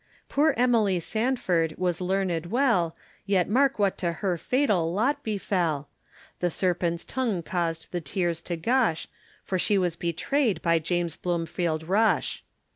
Poor Emily Sandford was learned well, Yet mark what to her fatal lot befel, The serpent's tongue caused the tears to gush, For she was betrayed by James Bloomfield Rush.